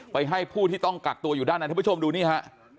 ให้ผู้ที่ต้องกักตัวอยู่ด้านในท่านผู้ชมดูนี่ฮะ